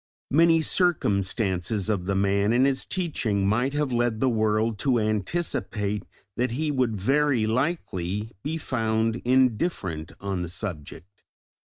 Many circumstances of the man and his teaching might have led the world to anticipate that he would very likely be found indifferent on the subject.